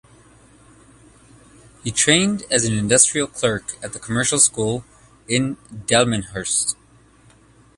He trained as an industrial clerk at the commercial school in Delmenhorst.